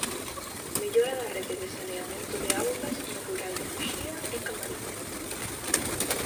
Mellora da rede de saneamento de augas no rural de Muxía e Camariñas.